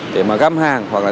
để mà găm hàng hoặc là tăng cơ